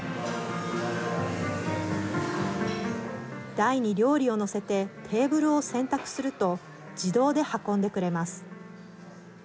台に料理を載せてテーブルを選択すると自動で運んでくれます。